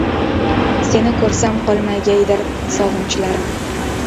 Seni ko‘rsam qolmagaydir sog‘inchlarim